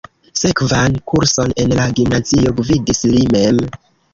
Sekvan kurson en la gimnazio gvidis li mem.